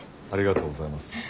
ありがとうございます。